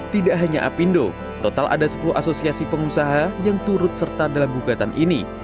tidak hanya apindo total ada sepuluh asosiasi pengusaha yang turut serta dalam gugatan ini